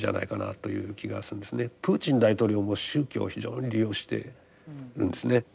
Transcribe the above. プーチン大統領も宗教を非常に利用してるんですね。